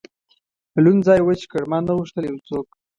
لوند ځای وچ کړ، ما نه غوښتل یو څوک.